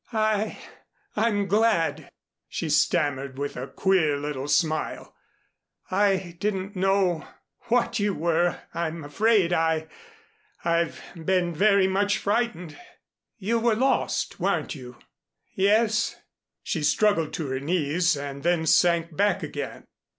"I I'm glad," she stammered with a queer little smile. "I didn't know what you were. I'm afraid I I've been very much frightened." "You were lost, weren't you?" "Yes." She struggled to her knees and then sank back again.